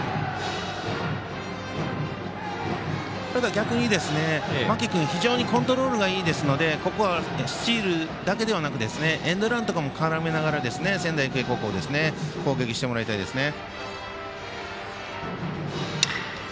逆に間木君、非常にコントロールがいいのでここはスチールだけではなくエンドランとかも絡めながら仙台育英高校攻撃してもらいたいですね。